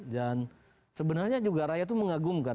dan sebenarnya juga rakyat itu mengagumkan